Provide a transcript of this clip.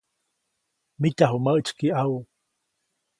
Mityaju mäʼtsyäki ʼawu.